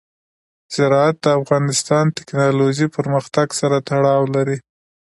زراعت د افغانستان د تکنالوژۍ پرمختګ سره تړاو لري.